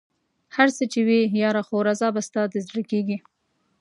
هر څه چې وي ياره خو رضا به ستا د زړه کېږي